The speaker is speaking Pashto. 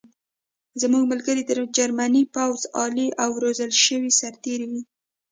زموږ ملګري د جرمني پوځ عالي او روزل شوي سرتېري وو